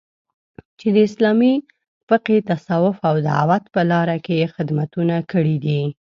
چې د اسلامي فقې، تصوف او دعوت په لاره کې یې خدمتونه کړي دي